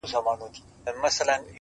ټکي لوېږي د ورورۍ پر کړۍ ورو ورو!